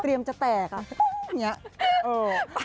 เตรียมจะแตกปุ๊บอย่างนี้